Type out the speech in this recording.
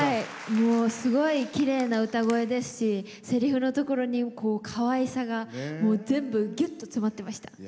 すごいきれいな歌声ですしせりふのときに、かわいさがぎゅっと詰まってました。